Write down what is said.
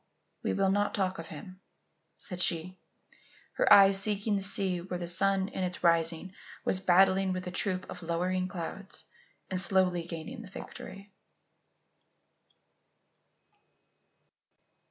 "We will not talk of him," said she, her eyes seeking the sea where the sun in its rising was battling with a troop of lowering clouds and slowly gaining the victory.